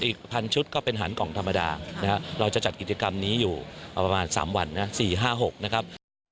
อีกพันชุดก็เป็นหารกล่องธรรมดาเราจะจัดกิจกรรมนี้อยู่ประมาณ๓วันนะ๔๕๖นะครับ